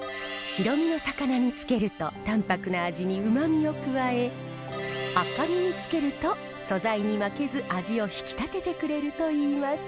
白身の魚につけると淡泊な味にうまみを加え赤身につけると素材に負けず味を引き立ててくれるといいます。